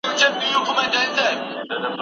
استاد له موږ سره ډېره مرسته کړې وه.